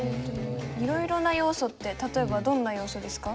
いろいろな要素って例えばどんな要素ですか？